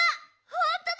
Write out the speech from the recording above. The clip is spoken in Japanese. ほんとだ！